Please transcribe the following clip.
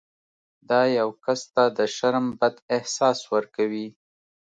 دا یو کس ته د شرم بد احساس ورکوي.